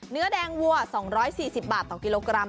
เนื้อแดงวัว๒๔๐บาทต่อกิโลกรัม